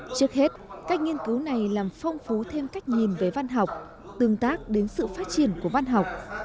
trước hết cách nghiên cứu này làm phong phú thêm cách nhìn về văn học tương tác đến sự phát triển của văn học